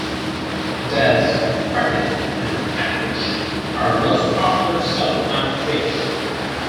Bass, crappie, and catfish are most popular sought after fish.